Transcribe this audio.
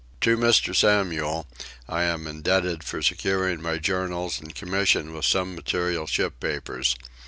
To Mr. Samuel I am indebted for securing my journals and commission with some material ship papers.